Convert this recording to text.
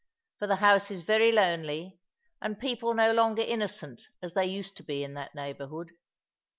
For the house is very lonely; and people no longer innocent as they used to be in that neighbourhood.